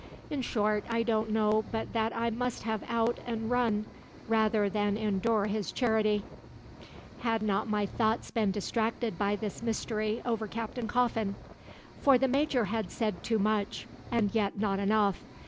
In short, I don't know but that I must have out and run rather than endure his charity, had not my thoughts been distracted by this mystery over Captain Coffin. For the Major had said too much, and yet not enough.